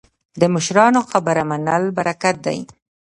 د مشرانو خبره منل برکت دی